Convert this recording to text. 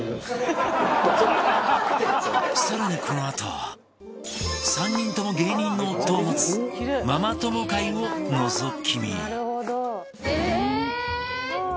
更にこのあと３人とも芸人の夫を持つママ友会をのぞき見